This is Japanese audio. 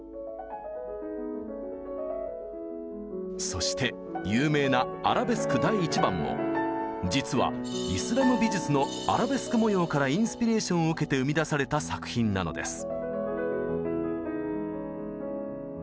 そして有名な「アラベスク第１番」も実はイスラム美術のアラベスク模様からインスピレーションを受けて生み出された作品なのです。